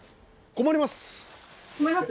困ります？